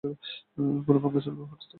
কোন ভাঙ্গাচুরা বা ফাটল তাতে নেই।